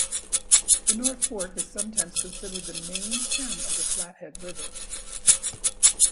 The North Fork is sometimes considered the main stem of the Flathead River.